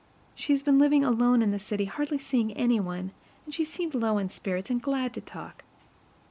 She has been living alone in the city, hardly seeing any one, and she seemed low in spirits and glad to talk.